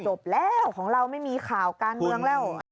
จบแล้วของเราไม่มีข่าวการเมืองแล้ว